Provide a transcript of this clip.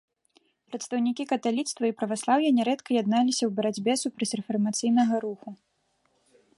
Прадстаўнікі каталіцтва і праваслаўя нярэдка ядналіся ў барацьбе супраць рэфармацыйнага руху.